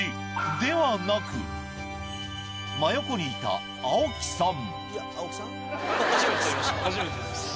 ではなく真横にいた青木さん